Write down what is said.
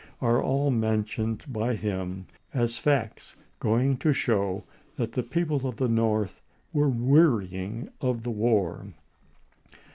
» are all mentioned by him as facts going to show that pp.°557, 558. the people of the North were wearying of the war.